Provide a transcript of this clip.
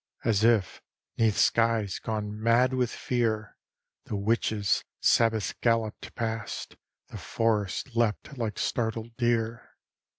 As if 'neath skies gone mad with fear The witches' Sabboth galloped past, The forests leapt like startled deer.